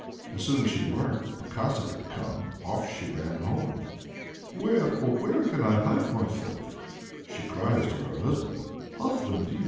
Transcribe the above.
As soon as she learnt that the Cossack had come, off she ran home. "Where, oh where can I hide myself?" she cries to her husband. "Husband dear!